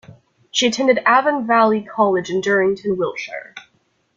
She attended Avon Valley College in Durrington, Wiltshire.